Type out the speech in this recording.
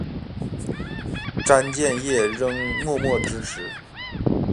詹建业仍默默支持。